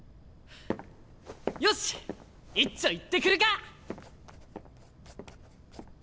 よしいっちょ行ってくるか！